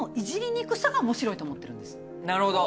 なるほど。